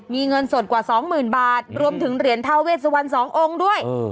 มีเงินสดกว่า๒๐๐๐๐บาทรวมถึงเหรียญเท่าเวทสวรรค์๒องค์ด้วย